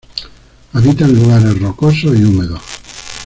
Habita en lugares rocosos y húmedos.